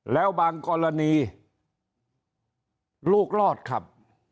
แล้วบางกรณีลูกรอดครับ